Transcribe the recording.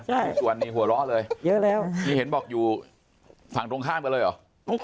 ทุกวันนี้หัวเราะเลยเยอะแล้วนี่เห็นบอกอยู่ฝั่งตรงข้ามกันเลยเหรอ